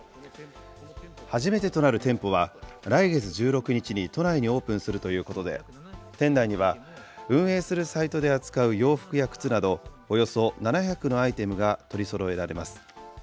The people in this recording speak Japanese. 初めてとなる店舗は、来月１６日に都内にオープンするということで、店内には、運営するサイトで扱う洋服や靴など、およそ７００のアイテムが取りそろえられます。